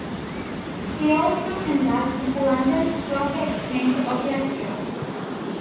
He also conducted the London Stock Exchange Orchestra.